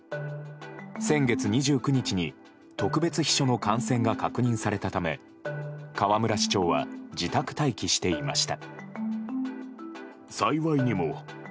先月２９日に特別秘書の感染が確認されたため河村市長は自宅待機していました。